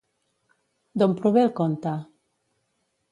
D'on prové el conte?